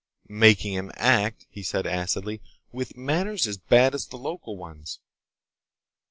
"Making him act," he said acidly, "with manners as bad as the local ones.